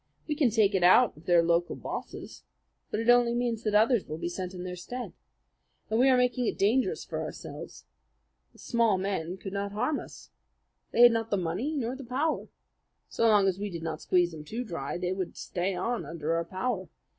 We can take it out of their local bosses; but it only means that others will be sent in their stead. And we are making it dangerous for ourselves. The small men could not harm us. They had not the money nor the power. So long as we did not squeeze them too dry, they would stay on under our power.